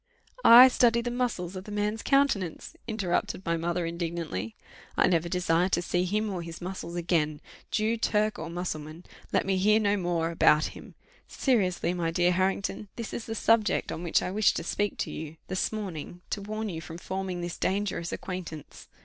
I study the muscles of the man's countenance!" interrupted my mother, indignantly; "I never desire to see him or his muscles again! Jew, Turk, or Mussulman, let me hear no more about him. Seriously, my dear Harrington, this is the subject on which I wished to speak to you this morning, to warn you from forming this dangerous acquaintance.